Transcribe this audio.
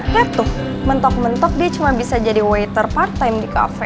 lihat tuh mentok mentok dia cuma bisa jadi waiter part time di kafe